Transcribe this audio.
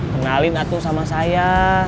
kenalin atu sama saya